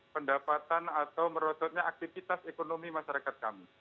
pendapatan atau merosotnya aktivitas ekonomi masyarakat kami